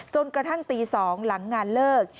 จนกระทั่งตี๒หลังงานเลิก